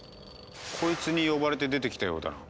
こいつに呼ばれて出てきたようだな。